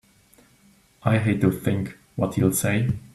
I hate to think what he'll say!